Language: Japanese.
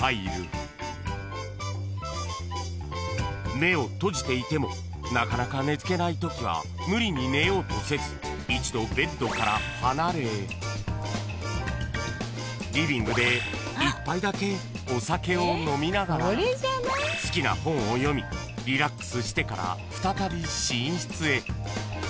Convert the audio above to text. ［目を閉じていてもなかなか寝付けないときは無理に寝ようとせず一度ベッドから離れリビングで１杯だけお酒を飲みながら好きな本を読みリラックスしてから再び寝室へ］